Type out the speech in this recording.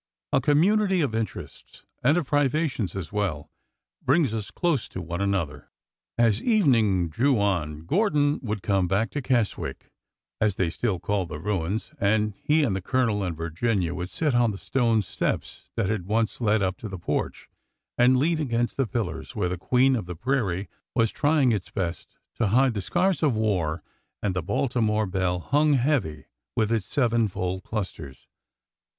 A community of in terests (and of privations as well) brings us close to one another. As evening drew on, Gordon would come back to Kes wick, as they still called the ruins, and he and the Colonel and Virginia would sit on the stone steps that had once led up to the porch, and lean against the pillars where th^'^ queen of the prairie " was trying its best to hide the scars of war and the '' Baltimore belle " hung heavy with its seven fold clusters.